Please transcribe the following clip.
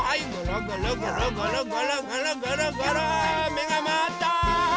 めがまわった！